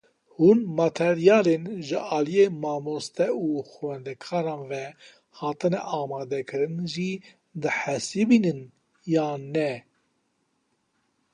Hûn materyalên ji aliyê mamoste û xwendekaran ve hatine amadekirin jî dihesibînin yan ne?